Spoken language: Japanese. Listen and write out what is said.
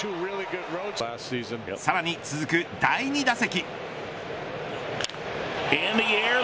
さらに続く第２打席。